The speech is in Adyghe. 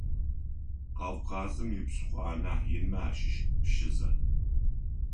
Кавказым ипсыхъо анахь инмэ ащыщ Пшызэ.